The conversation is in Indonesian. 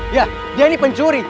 ya dia ini pencuri